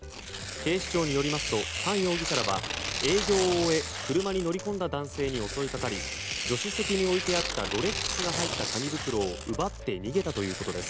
警視庁によりますとハン容疑者らは営業を終え車に乗り込んだ男性に襲いかかり助手席に置いていあったロレックスが入った紙袋を奪って逃げたということです。